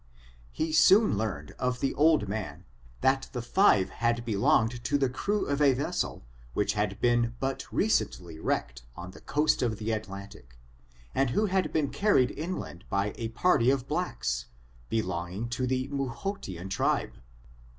He soon learned of the old man, that the five men had belonged to the crew of a ves sel which had but recently been wrecked on the coast of the Atlantic, and who had been carried in land by a party of blacks, belonging to the Mtihotian tribe.